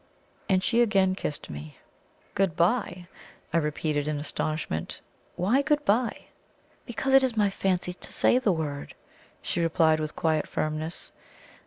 And she again kissed me. "Good bye!" I repeated in astonishment; "why 'good bye'?" "Because it is my fancy to say the word," she replied with quiet firmness.